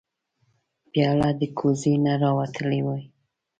پیاله د کوزې نه راوتلې وي.